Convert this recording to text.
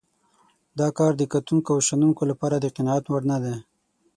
دا کار د کتونکو او شنونکو لپاره د قناعت وړ نه دی.